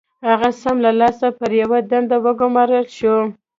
هغه سم له لاسه پر يوه دنده وګومارل شو.